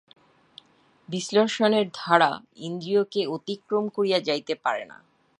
বিশ্লেষণের ধারা ইন্দ্রিয়কে অতিক্রম করিয়া যাইতে পারে না।